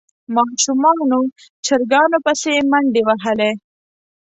ماشومانو چرګانو پسې منډې وهلې.